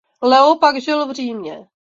Leo pak žil v Římě.